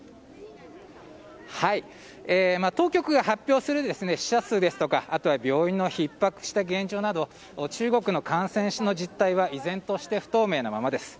当局が発表する死者数ですとか病院のひっ迫した現状など中国の感染の実態は依然として不透明なままです。